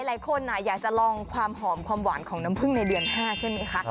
หลายคนอยากจะลองความหอมความหวานของน้ำผึ้งในเดือน๕ใช่ไหมคะ